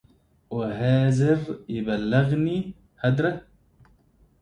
وهاذر يبلغني هدره